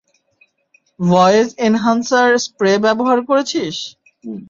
Voice enhancer spray ব্যবহার করেছিস?